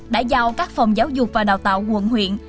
đã giao các phòng giáo dục và đào tạo quận huyện